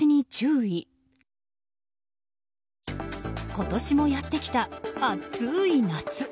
今年もやってきた暑い夏。